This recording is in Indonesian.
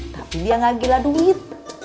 tapi dia nggak gila duit